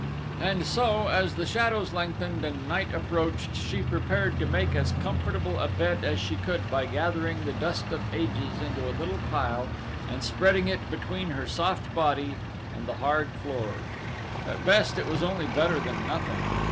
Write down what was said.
And so, as the shadows lengthened and night approached she prepared to make as comfortable a bed as she could by gathering the dust of ages into a little pile and spreading it between her soft body and the hard floor at best it was only better than nothing.